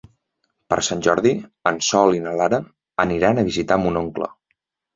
Per Sant Jordi en Sol i na Lara aniran a visitar mon oncle.